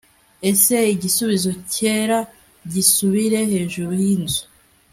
ese igisubizo cyera gisubire hejuru yinzu